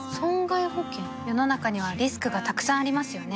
世の中にはリスクがたくさんありますよね